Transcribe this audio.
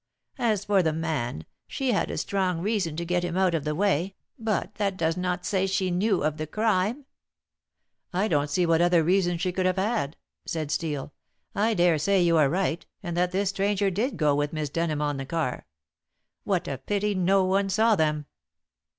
As for the man, she had a strong reason to get him out of the way, but that does not say she knew of the crime." "I don't see what other reason she could have had," said Steel. "I daresay you are right, and that this stranger did go with Miss Denham on the car. What a pity no one saw them!"